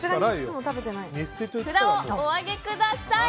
札をお上げください。